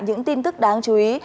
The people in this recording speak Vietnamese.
những tin tức đáng chú ý